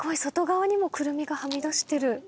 外側にもくるみがはみ出してる。